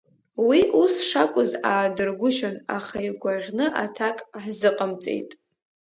Уи ус шакәыз аадыргәышьон, аха игәаӷьны аҭак ҳзыҟамҵеит.